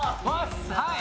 はい。